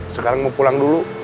sekarang mau pulang dulu